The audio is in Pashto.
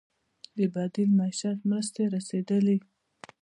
د بدیل معیشت مرستې رسیدلي؟